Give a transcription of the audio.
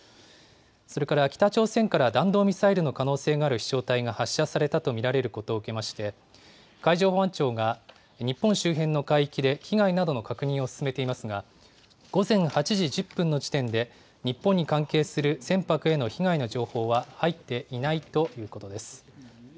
それから北朝鮮から弾道ミサイルの可能性がある飛しょう体が発射されたと見られることを受けまして、海上保安庁が日本周辺の海域で被害などの確認を進めていますが、午前８時１０分の時点で、日本に関係する船舶への被害の情報は入っていないということです。